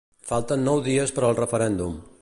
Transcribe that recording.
Falten nou dies per al referèndum.